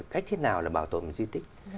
cách thế nào là bảo tồn di tích